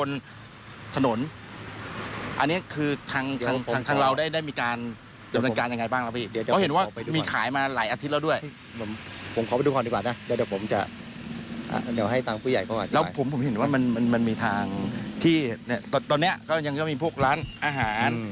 แล้วผมเห็นว่ามันมีทางที่ตอนนี้ก็ยังก็มีพวกร้านอาหาร